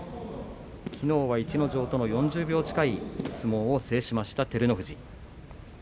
きのうは逸ノ城との４０秒近い相撲を制しました照ノ富士。